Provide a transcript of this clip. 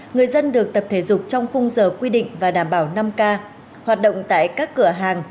người dân được tập thể dục trong khung giờ quy định và đảm bảo năm k hoạt động tại các cửa hàng